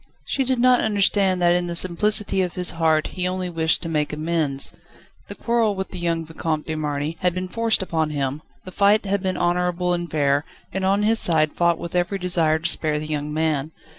She did not understand that in the simplicity of his heart, he only wished to make amends. The quarrel with the young Vicomte de Marny had been forced upon him, the fight had been honourable and fair, and on his side fought with every desire to spare the young man.